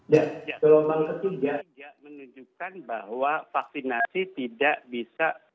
ya kelompok itu menunjukkan bahwa vaksinasi tidak bisa